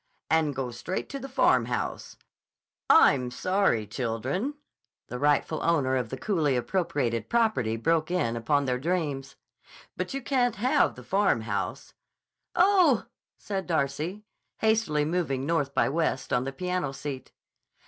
"And go straight to the Farmhouse—" "I'm sorry, children," the rightful owner of the coolly appropriated property broke in upon their dreams; "but you can't have the Farmhouse." "Oh!" said Darcy, hastily moving north by west on the piano seat.